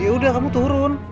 ya udah kamu turun